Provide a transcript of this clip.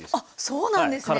そうなんですね。